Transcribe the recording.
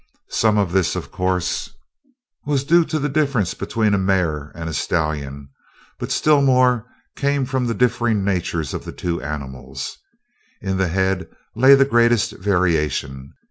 Some of this, of course, was due to the difference between a mare and a stallion, but still more came from the differing natures of the two animals. In the head lay the greatest variation.